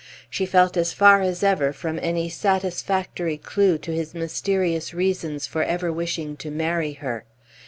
She felt as far as ever from any satisfactory clew to his mysterious reasons for ever wishing to marry her.